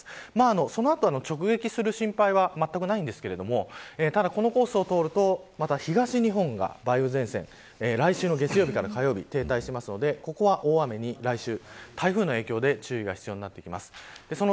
その後直撃する心配はまったくないんですけどただ、このコースを通ると東日本が梅雨前線来週の月曜日から火曜日停滞しますのでここは大雨に台風の影響で注意が必要になってきます。